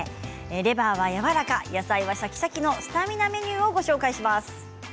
レバーはやわらか野菜はシャキシャキのスタミナメニューをご紹介します。